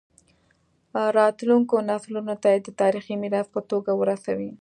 راتلونکو نسلونو ته یې د تاریخي میراث په توګه ورسوي.